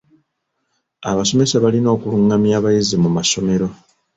Abasomesa balina okulungamya abayizi mu masomero.